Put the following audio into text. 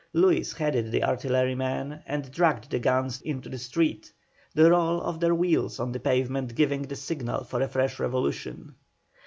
Luis headed the artillerymen and dragged the guns into the street, the roll of their wheels on the pavement giving the signal for a fresh revolution.